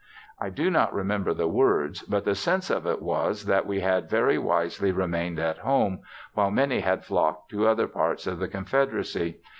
I do not remember the words; but, the sense of it was, that we had very wisely remained at home, while many had flocked to other parts of the Confederacy.